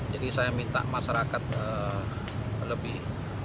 jadi saya minta masyarakat lebih